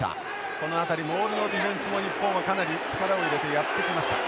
この辺りモールのディフェンスも日本はかなり力を入れてやってきました。